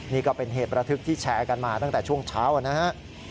นี่ก็เป็นเหตุประทึกที่แชร์กันมาตั้งแต่ช่วงเช้านะครับ